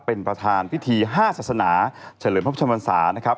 เป็นประธานพิธีห้าศาสนาเฉลยพระพุทธภาษานะครับ